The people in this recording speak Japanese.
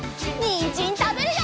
にんじんたべるよ！